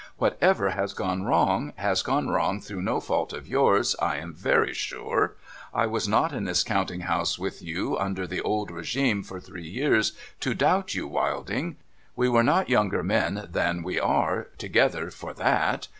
' What ever has gone wrong, has gone wrong through no fault of yours, I am very sure. I was not in this counting house with you, under the old rcgitne, for three years, to doubt you. Wilding. We were not younger men than we are, together, for that.